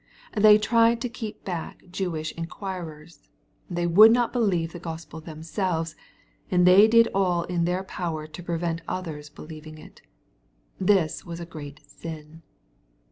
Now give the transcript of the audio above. They tried to keep back Jewish inquirers. They would not believe the Gospel themselves, and they did all in their power to prevent others^fe^lieving it. This was a great sin.